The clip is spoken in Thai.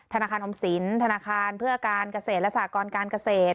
ธนาคารออมสินธนาคารเพื่อการเกษตรและสากรการเกษตร